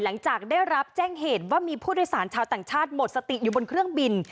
หลังจากได้รับแจ้งเหตุว่ามีผู้โดยสารชาวต่างชาติหมดสติอยู่บนเครื่องบิน